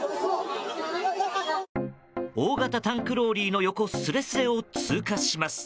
大型タンクローリーの横すれすれを通過します。